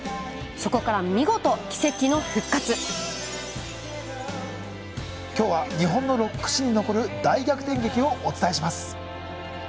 そこから見事今日は日本のロック史に残る大逆転劇をお伝えします！